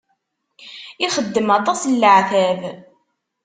Ixeddem aṭas n leɛtab.